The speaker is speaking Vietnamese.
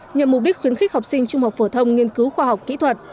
nhằm mục đích khuyến khích học sinh trung học phổ thông nghiên cứu khoa học kỹ thuật